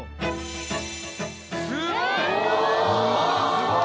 すごい。